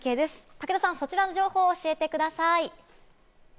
武田さん、そちらの情報をお伝えしてください。